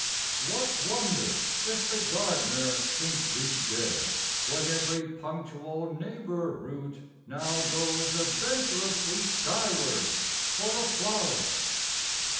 What wonder if the gardener think thee dead, When every punctual neighbor root now goes Adventurously skyward for a flower?